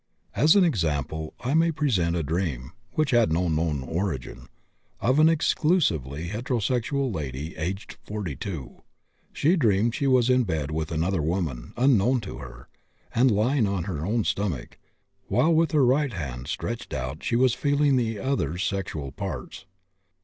As an example I may present a dream (which had no known origin) of an exclusively heterosexual lady aged 42; she dreamed she was in bed with another woman, unknown to her, and lying on her own stomach, while with her right hand stretched out she was feeling the other's sexual parts.